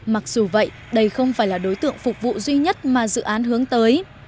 mặc dù vậy đây không phải là đối tượng phục vụ duy nhất mà dự án hướng tới